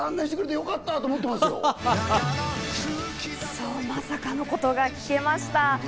そう、まさかの事が聞けました。